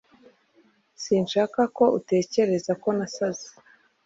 Sinshaka ko utekereza ko nasaze.